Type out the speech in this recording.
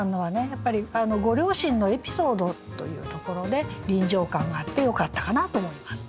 やっぱりご両親のエピソードというところで臨場感があってよかったかなと思います。